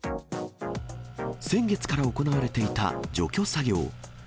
先月から行われていた除去作業。